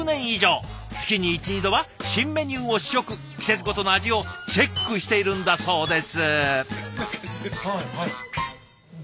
月に１２度は新メニューを試食季節ごとの味をチェックしているんだそうです。